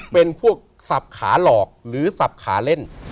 เป็นพวกสับขาหลอกหรือสับขาเล่น